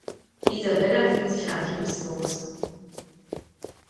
Isabella fühlt sich antriebslos.